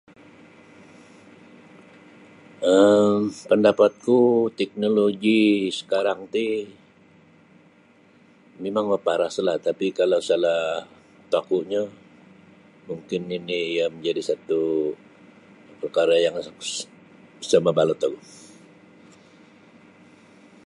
um pandapatku teknoloji sekarang ti mimang maparaslah tapi kalau salah toku'nyo mungkin nini' iyo majadi satu' pakara yang sa mabalut ogu.